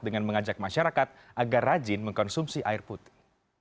dengan mengajak masyarakat agar rajin mengkonsumsi air putih